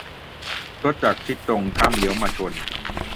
- รถจากทิศตรงข้ามเลี้ยวมาชน